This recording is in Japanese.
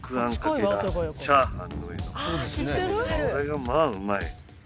あれがまあうまい。